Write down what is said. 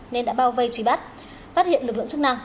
nên đã bao vây truy bắt phát hiện lực lượng chức năng